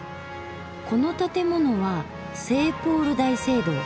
この建物は聖ポール大聖堂。